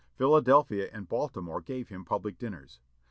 Philadelphia and Baltimore gave him public dinners.